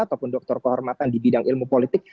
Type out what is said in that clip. ataupun doktor kehormatan di bidang ilmu politik